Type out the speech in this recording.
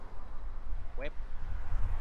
เว็บ